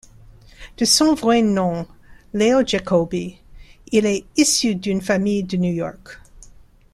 De son vrai nom Leo Jacoby, il est issu d'une famille de New York.